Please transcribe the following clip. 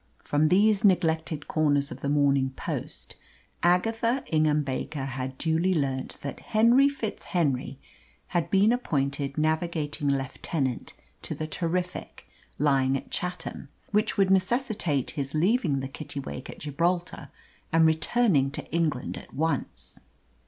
From these neglected corners of the Morning Post Agatha Ingham Baker had duly learnt that Henry FitzHenry had been appointed navigating lieutenant to the Terrific, lying at Chatham, which would necessitate his leaving the Kittiwake at Gibraltar and returning to England at once.